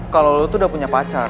kalau lo tuh udah punya pacar